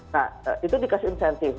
nah itu dikasih insentif